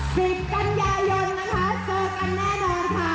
สิบกันยายนนะคะเจอกันแน่นอนค่ะ